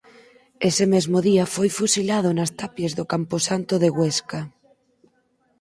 Ese mesmo día foi fusilado nas tapias do camposanto de Huesca.